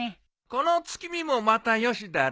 この月見もまたよしだろ？